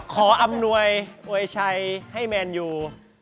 อำนวยมวยชัยให้แมนยู